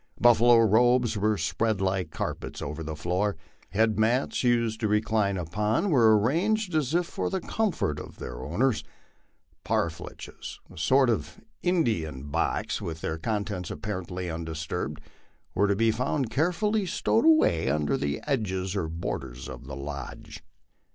Buffalo robes were spread like carpets over the floor ; head mats, used to recline upon, were ar ranged as if for the comfort of their owners ; parfleches, a sort of Indian band box, with their contents apparently undisturbed, were to be found carefully stowed away under the edges or borders of the lodge.